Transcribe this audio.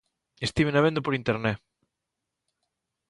Estívena vendo por Internet